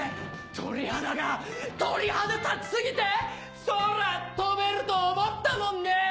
鳥肌立ち過ぎて空飛べると思ったもんね！